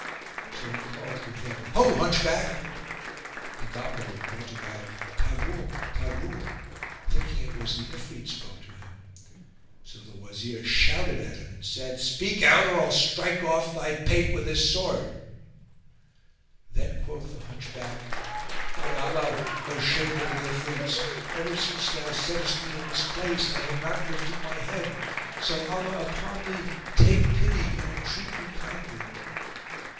So he called to him, "Ho Hunchback!" The Gobbo grunted out, "Taghum! Taghum!" [FN#441] thinking it was the Ifrit spoke to him; so the Wazir shouted at him and said, "Speak out, or I'll strike off thy pate with this sword." Then quoth the Hunchback, "By Allah, O Shaykh of the Ifrits, ever since thou settest me in this place, I have not lifted my head; so Allah upon thee, take pity and entreat me kindly!"